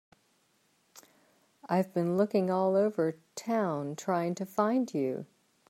I've been looking all over town trying to find you.